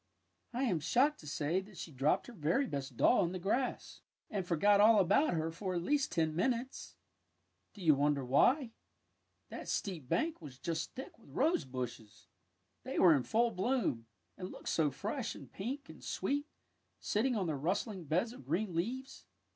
I am shocked to say that she dropped her very best doll in the 97 98 THE WILD ROSE grass, and forgot all about her for at least ten minutes! Do you wonder why? That steep bank was just thick with rose bushes. They were in full bloom, and looked so fresh and pink and sweet sitting on their rustling beds of green leaves!